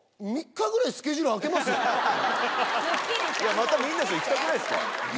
またみんなで行きたくないですか？